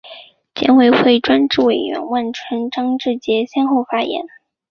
检委会专职委员万春、张志杰先后发言